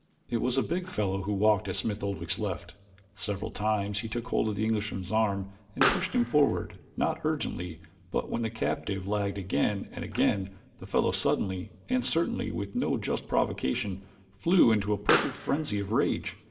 It was a big fellow who walked at Smith Oldwick's left. Several times he took hold of the Englishman's arm and pushed him forward not ungently, but when the captive lagged again and again the fellow suddenly, and certainly with no just provocation, flew into a perfect frenzy of rage.